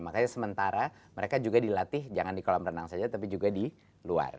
makanya sementara mereka juga dilatih jangan di kolam renang saja tapi juga di luar